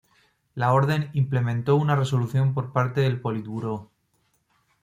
La orden implementó una resolución por parte del Politburó.